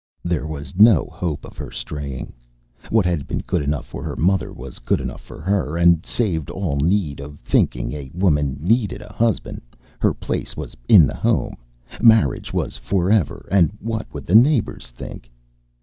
There was no hope of her straying. What had been good enough for her mother was good enough for her, and saved all need of thinking; a woman needed a husband, her place was in the home, marriage was forever, and what would the neighbors think?